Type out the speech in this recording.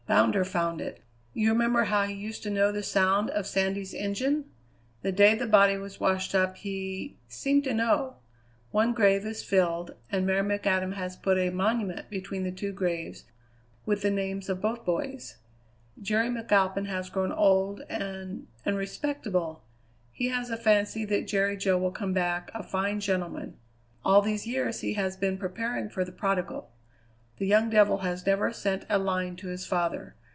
Bounder found it. You remember how he used to know the sound of Sandy's engine? The day the body was washed up he seemed to know. One grave is filled, and Mary McAdam has put a monument between the two graves with the names of both boys. Jerry McAlpin has grown old and and respectable. He has a fancy that Jerry Jo will come back a fine gentleman. All these years he has been preparing for the prodigal. The young devil has never sent a line to his father.